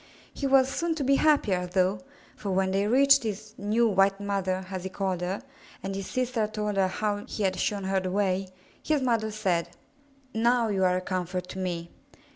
He was soon to be happier, though, for when they reached his *'new, white mother, as he called her, and his sister told her how he had shown her the way, his mother said, *'Now you are a comfort to me.